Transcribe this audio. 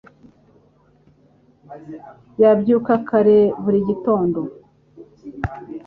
Yabyuka kare buri gitondo